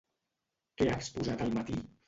Què ha exposat al matí?